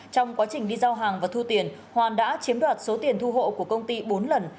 trong quá trình đi giao hàng và thu tiền hoàn đã chiếm đoạt số tiền thu hộ của công ty bốn lần